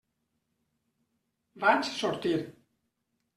Vaig sortir.